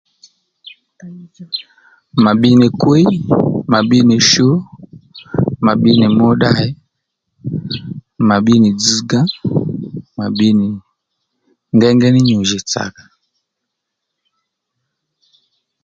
Mà bbi nì kwíy, mà bbi nì shu, mà bbi nì mùddali, mà bbi nì dzzga, mà bbi nì ngéyngéy ní nyǔ jì tsàkà